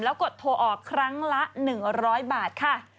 แล้วกดโทรออกครั้งละ๑๐๐บาทค่ะ